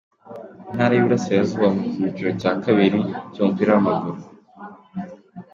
Intara y’Uburasirazuba mu cyiciro cya kabiri cy’umupira w’amaguru